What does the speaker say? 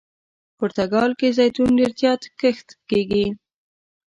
پرتګال کې زیتون ډېر زیات کښت کیږي.